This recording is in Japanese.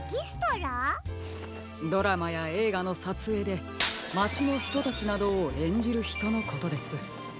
ドラマやえいがのさつえいでまちのひとたちなどをえんじるひとのことです。